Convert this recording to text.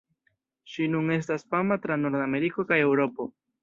Ŝi nun estas fama tra Nordameriko kaj Eŭropo.